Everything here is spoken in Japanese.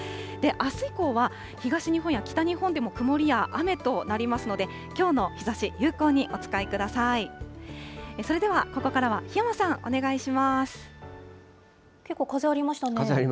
あす以降は東日本や北日本でも曇りや雨となりますので、きょうの日ざし、有効にお使いください。